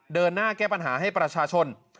เดินหน้าแก้ปัญหาให้ประชาชน